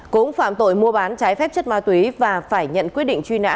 cố ứng phạm tội mua bán trái phép chất ma túy và phải nhận quyết định truy nã